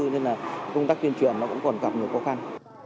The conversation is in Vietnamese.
nên là công tác tuyên truyền nó cũng còn gặp nhiều khó khăn